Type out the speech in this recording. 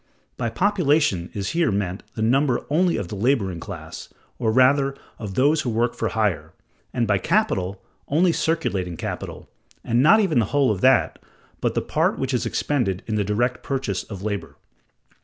By population is here meant the number only of the laboring class, or rather of those who work for hire; and by capital, only circulating capital, and not even the whole of that, but the part which is expended in the direct purchase of labor.